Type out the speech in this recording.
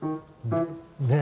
ねえ。